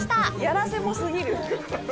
「やらせもすぎる」